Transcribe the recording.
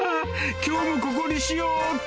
きょうもここにしようっと。